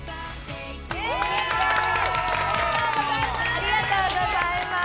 おめでとうございます！